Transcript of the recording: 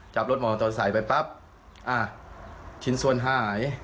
จับรถมอเตอร์ไซค์ไปปั๊บอ่ะชิ้นส่วนหาย